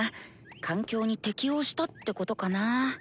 環境に適応したってことかな。